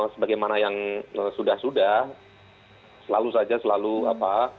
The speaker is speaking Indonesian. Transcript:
sebagaimana yang sudah sudah selalu saja selalu apa